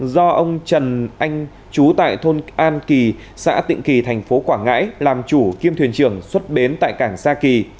do ông trần anh trú tại thôn an kỳ xã tịnh kỳ thành phố quảng ngãi làm chủ kiêm thuyền trưởng xuất bến tại cảng sa kỳ